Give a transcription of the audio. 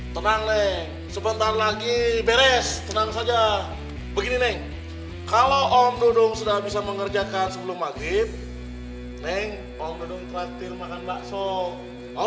tenang neng sebentar lagi beres tenang saja begini neng kalau om dudung sudah bisa mengerjakan sebelum maghrib neng om dudung terakhir makan bakso tahu